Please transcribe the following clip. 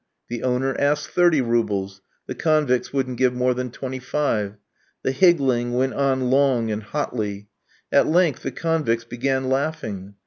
The owner asked thirty roubles; the convicts wouldn't give more than twenty five. The higgling went on long and hotly. At length the convicts began laughing.